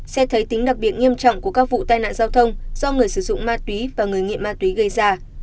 xe thấy tính đặc biệt nghiêm trọng của các vụ tai nạn giao thông do người sử dụng mát túy và người nghiện mát túy gây ra